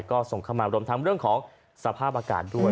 ก็ส่งเข้ามารวมทั้งเรื่องของสภาพอากาศด้วย